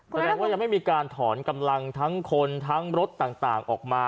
แสดงว่ายังไม่มีการถอนกำลังทั้งคนทั้งรถต่างออกมา